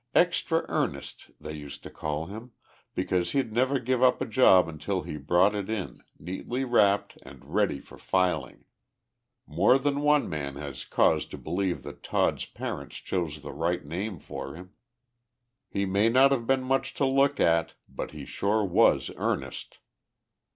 'Extra Ernest,' they used to call him, because he'd never give up a job until he brought it in, neatly wrapped and ready for filing. More than one man has had cause to believe that Todd's parents chose the right name for him. He may not have been much to look at but he sure was earnest."